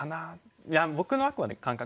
いや僕のあくまで感覚。